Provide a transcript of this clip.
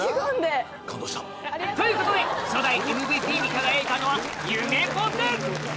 感動した。ということで初代ＭＶＰに輝いたのはゆめぽて！